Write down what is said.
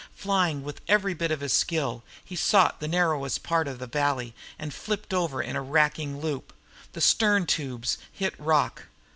Flying with every bit of his skill, he sought the narrowest part of the valley and flipped over in a racking loop. The stern tubes hit rock.